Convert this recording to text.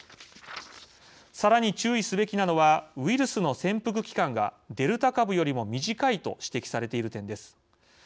さらに注意すべきなのはウイルスの潜伏期間がデルタ株よりも短いと指摘されている点です。